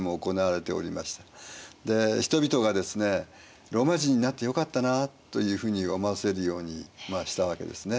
人々がですねローマ人になってよかったなというふうに思わせるようにしたわけですね。